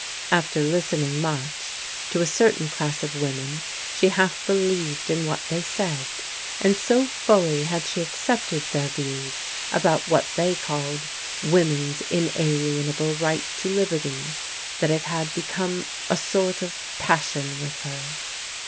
After listening much to a certain class of women she half believed in what they said, and so fully had she accepted their views about what they called "women's inalienable right to liberty," that it had be come a sort of passion with her.